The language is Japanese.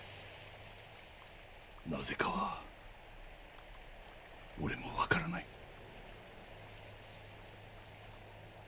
なぜかは俺も分からない。